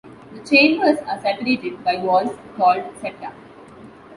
The chambers are separated by walls called septa.